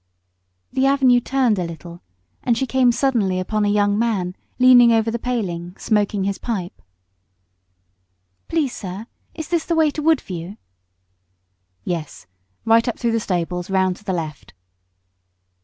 The avenue turned a little, and she came suddenly upon a young man leaning over the paling, smoking his pipe. "Please sir, is this the way to Woodview?" "Yes, right up through the stables, round to the left."